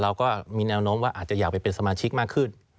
เราก็มีแนวโน้มว่าอาจจะอยากไปเป็นสมาชิกมากขึ้น